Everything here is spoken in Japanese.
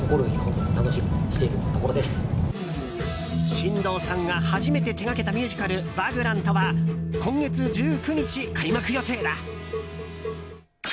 新藤さんが初めて手掛けたミュージカル「ヴァグラント」は今月１９日、開幕予定だ。